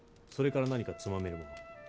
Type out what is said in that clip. それから何かつまめるものを。